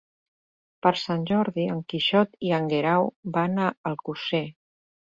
Per Sant Jordi en Quixot i en Guerau van a Alcosser.